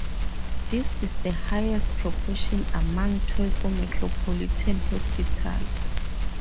This is the highest proportion among Tokyo metropolitan hospitals.